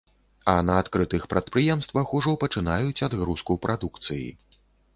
А на адкрытых прадпрыемствах ужо пачынаюць адгрузку прадукцыі.